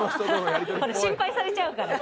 心配されちゃうから。